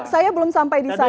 saya belum sampai di sana